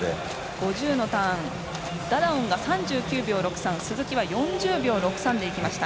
５０のターンダダオンが３９秒６３鈴木は４０秒６３でいきました。